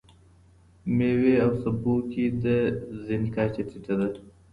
میوې او سبو کې د زینک کچه ټيټه ده.